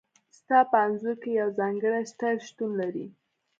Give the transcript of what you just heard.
ستا په انځور کې یو ځانګړی سټایل شتون لري